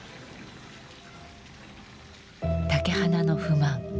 竹鼻の不満。